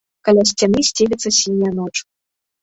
Каля сцяны сцелецца сіняя ноч.